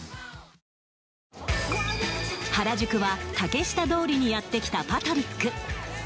原宿は竹下通りにやってきたパトリック。